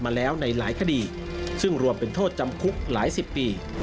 มาแล้วในหลายคดีซึ่งรวมเป็นโทษจำคุกหลายสิบปี